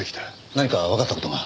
何かわかった事が？